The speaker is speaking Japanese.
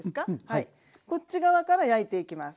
こっち側から焼いていきます。